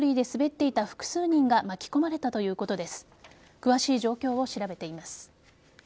詳しい状況を調べています。